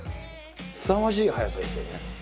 すさまじい速さですよね。